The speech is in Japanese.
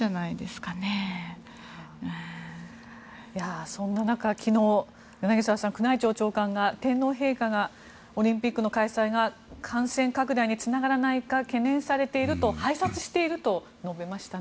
柳澤さんそんな中、昨日、宮内庁長官が天皇陛下がオリンピックの開催が感染拡大につながらないか懸念されていると拝察していると述べましたね。